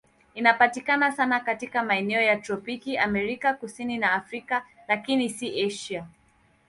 Inapatikana sana katika maeneo ya tropiki Amerika Kusini na Afrika, lakini si Asia.